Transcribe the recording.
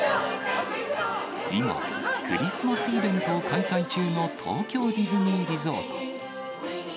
今、クリスマスイベントを開催中の東京ディズニーリゾート。